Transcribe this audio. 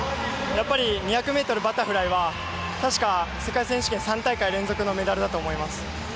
２００ｍバタフライは確か、世界選手権３大会連続のメダルだと思います。